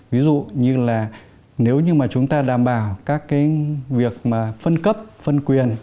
ví dụ như là nếu như mà chúng ta đảm bảo các việc phân cấp phân quyền